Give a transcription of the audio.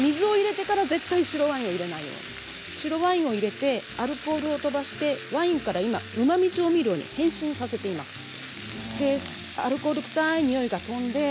水を入れてから白ワインを入れてアルコールを飛ばしてからうまみ調味料に変身させています。